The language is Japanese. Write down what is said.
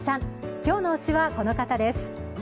今日の推しは、この方です。